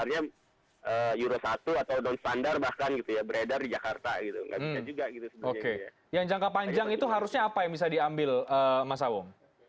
yang jangka panjang itu harusnya apa yang bisa diambil mas awung